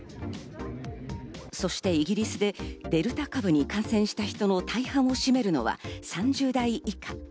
そしてイギリスでデルタ株に感染した人の大半を占めるのは３０代以下。